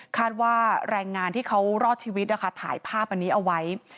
ว่าแรงงานที่เขารอดชีวิตนะคะถ่ายภาพอันนี้เอาไว้